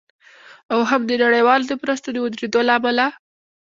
او هم د نړیوالو د مرستو د ودریدو له امله